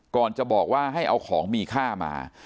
จะบอกว่าให้เอาของมีค่ามา